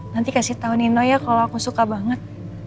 nanti kasih tau nino ya kalau aku suka banget